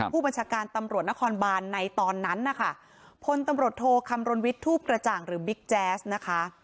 ผู้บัญชาการตำรวจนครบานในตอนนั้นนะคะพลตำรวจโทคำรณวิทย์ทูปกระจ่างหรือบิ๊กแจ๊สนะคะ